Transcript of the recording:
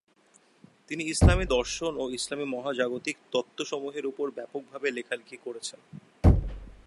তিনি ইসলামী দর্শন ও ইসলামী মহাজাগতিক তত্ত্ব সমূহের উপর ব্যাপক ভাবে লেখালেখি করেছেন।